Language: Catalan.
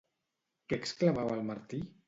Què exclamava el Martí?